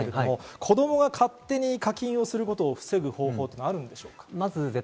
子供が勝手に課金をすることを防ぐ方法はあるんでしょうか？